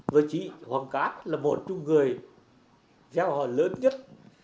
với chị hoàng cát là một trong người gieo hò lớn nhất